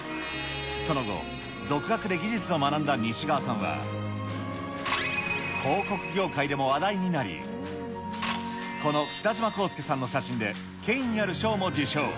その後、独学で技術を学んだ西川さんは、広告業界でも話題になり、この北島康介さんの写真で、権威ある賞も受賞。